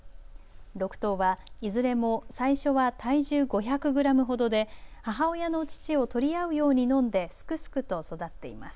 ６頭はいずれも最初は体重５００グラムほどで母親のお乳を取り合うように飲んですくすくと育っています。